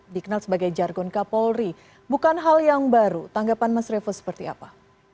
dikenal sebagai jargon kapolri bukan hal yang baru tanggapan mas revo seperti apa